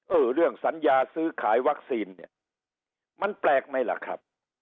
เออเรื่องสัญญาซื้อขายวัคซีนเนี่ยมันแปลกไหมล่ะครับ